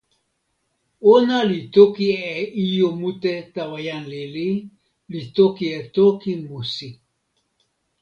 ona li toki e ijo mute tawa jan lili, li toki e toki musi.